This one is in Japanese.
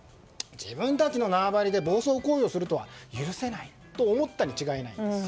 自分たちの縄張りで暴走行為をするとは許せないと思ったに違いないんです。